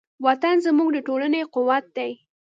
وطن زموږ د ټولنې قوت دی.